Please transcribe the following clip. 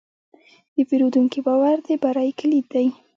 د پیرودونکي باور د بری کلید دی.